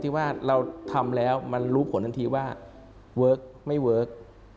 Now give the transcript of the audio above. ว่าเราทำแล้วมันรู้ผลทันทีว่าเวิร์คไม่เวิร์ค